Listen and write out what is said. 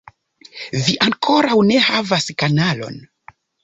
Vi ankoraŭ ne havas kanalon